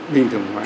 bình thường hoá